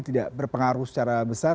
tidak berpengaruh secara besar